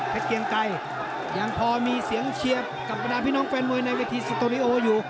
เกียงไกลอย่างพอมีเสียงเชียวกับพนักผิดงบแฟนมวยในเวทีสตูรีโออยู่